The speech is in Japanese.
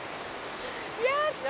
やった！